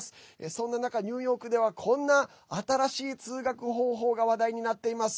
そんな中、ニューヨークではこんな新しい通学方法が話題になっています。